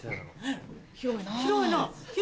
広いな。